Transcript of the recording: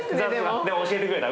でも教えてくれた。